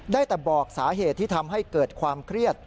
ได้แต่บอกสาเหตุที่ทำให้เกิดความเครียด